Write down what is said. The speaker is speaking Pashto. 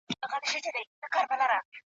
هره ورځ لکه پسونه کبابیږو لاندي باندي !.